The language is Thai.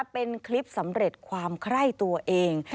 เป็นคลิปสำเร็จความไคร่ตัวเอง